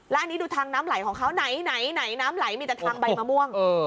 และอันนี้ดูทางน้ำไหลของเขาไหนน้ำไหลมีแต่ทางใบมะม่วง